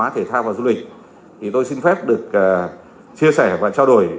thể thao và du lịch thì tôi xin phép được chia sẻ và trao đổi